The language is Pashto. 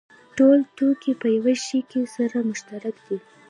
ټول توکي په یوه شي کې سره مشترک دي